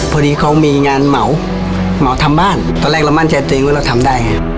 พอดีเขามีงานเหมาเหมาทำบ้านตอนแรกเรามั่นใจตัวเองว่าเราทำได้ไง